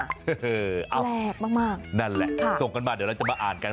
แปลกมากนั่นแหละส่งกันมาเดี๋ยวเราจะมาอ่านกัน